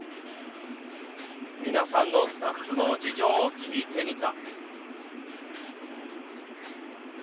皆さんの脱毛事情を聞いてみた。